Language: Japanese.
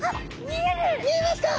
見えますか？